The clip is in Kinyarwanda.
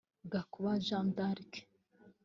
Gakuba Jeanne d’Arc